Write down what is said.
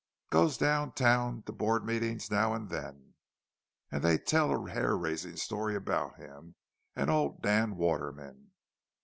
"Goes down town to board meetings now and then—they tell a hair raising story about him and old Dan Waterman.